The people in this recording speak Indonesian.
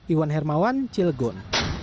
iwan hermawan cilgon